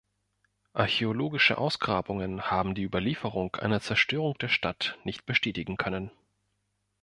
Archäologische Ausgrabungen haben die Überlieferung einer Zerstörung der Stadt nicht bestätigen können.